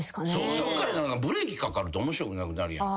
そっからブレーキかかると面白くなくなるやん。